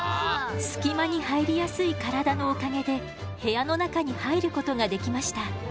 隙間に入りやすい体のおかげで部屋の中に入ることができました。